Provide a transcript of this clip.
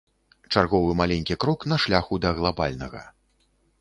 Чарговы маленькі крок на шляху да глабальнага.